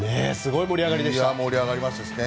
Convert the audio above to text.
盛り上がりましたね。